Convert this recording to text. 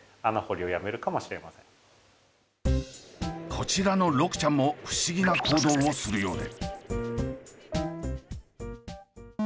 こちらのロクちゃんも不思議な行動をするようで。